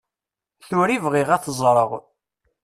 Tura i bɣiɣ ad t-ẓreɣ.